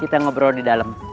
kita ngobrol di dalam